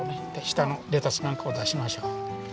下のレタスなんかを出しましょう。